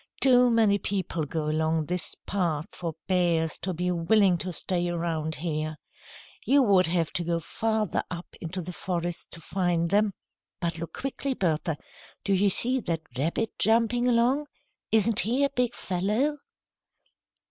"Too many people go along this path for bears to be willing to stay around here. You would have to go farther up into the forest to find them. But look quickly, Bertha. Do you see that rabbit jumping along? Isn't he a big fellow?"